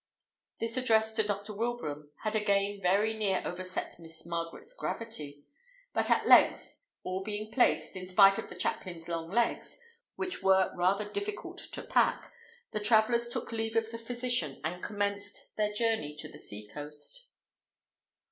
This address to Dr. Wilbraham had again very near overset Mistress Margaret's gravity; but at length, all being placed, in spite of the chaplain's long legs, which were rather difficult to pack, the travellers took leave of the physician, and commenced their journey to the sea coast.